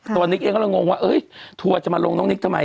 นิกเองก็เลยงงว่าทัวร์จะมาลงน้องนิกทำไม